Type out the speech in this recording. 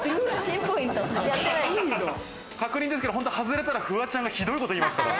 確認ですけど外れたらフワちゃんが、ひどいこと言いますから。